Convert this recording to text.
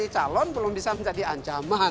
calon belum bisa menjadi ancaman